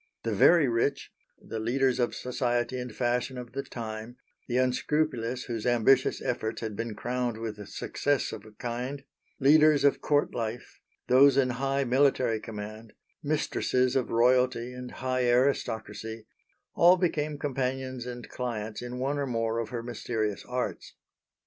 The very rich, the leaders of society and fashion of the time, the unscrupulous whose ambitious efforts had been crowned with success of a kind, leaders of Court life, those in high military command, mistresses of royalty and high aristocracy all became companions and clients in one or more of her mysterious arts.